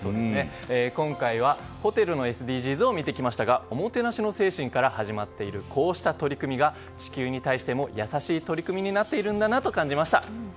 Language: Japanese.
今回はホテルのＳＤＧｓを見てきましたがおもてなしの精神から始まっているこうした取り組みが地球に対しても優しい取り組みになっているんだなと感じました。